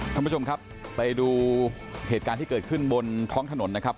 ท่านผู้ชมครับไปดูเหตุการณ์ที่เกิดขึ้นบนท้องถนนนะครับ